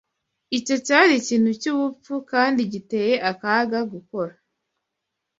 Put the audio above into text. Icyo cyari ikintu cyubupfu kandi giteye akaga gukora.